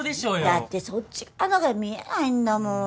だってそっち側が見えないんだもん。